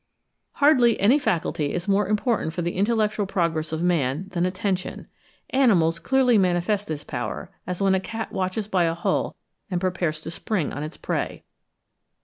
Hardly any faculty is more important for the intellectual progress of man than ATTENTION. Animals clearly manifest this power, as when a cat watches by a hole and prepares to spring on its prey.